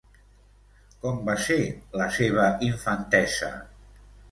Com va ser la seva infantesa?